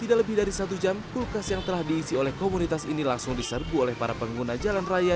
tidak lebih dari satu jam kulkas yang telah diisi oleh komunitas ini langsung diserbu oleh para pengguna jalan raya